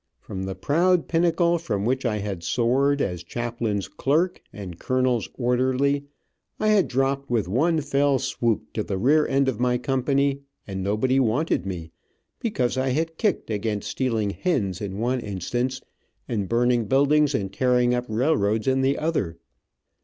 From the proud pinnacle from which I had soared, as chaplain's clerk, and colonel's orderly, I had dropped with one fell swoop to the rear end of my company, and nobody wanted me, because I had kicked against stealing hens in one instance, and burning buildings and tearing up railroads in the other.